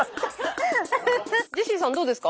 ジェシーさんどうですか？